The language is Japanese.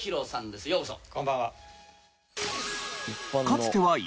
こんばんは。